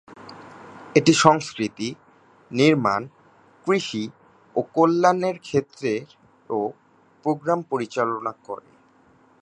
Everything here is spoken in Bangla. এটি সংস্কৃতি, নির্মাণ, কৃষি ও কল্যাণ ক্ষেত্রেও প্রোগ্রাম পরিচালনা করে।